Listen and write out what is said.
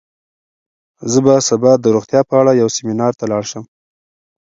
زه به سبا د روغتیا په اړه یو سیمینار ته لاړ شم.